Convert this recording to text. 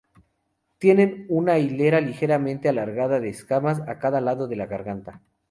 Tienen una hilera ligeramente alargada de escamas a cada lado de la garganta.